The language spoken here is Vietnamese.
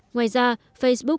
ngoài ra facebook